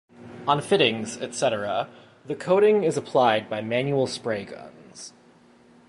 On fittings, etc., the coating is applied by manual spray guns.